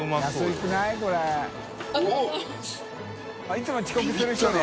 いつも遅刻する人ね。